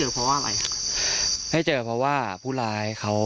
เพราะคนร้ายเผาเสื้อน้องชมพู่ไปแล้วค่ะ